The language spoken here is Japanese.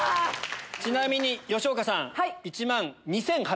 ちなみに吉岡さん。